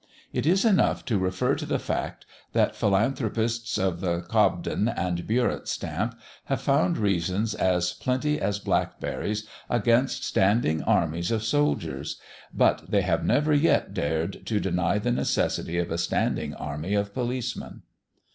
It is enough to refer to the fact, that philanthropists of the Cobden and Burritt stamp have found reasons as plenty as blackberries against standing armies of soldiers; but that they have never yet dared to deny the necessity of a standing army of policemen.